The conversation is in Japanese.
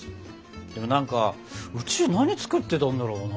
でも何かうちは何作ってたんだろうな。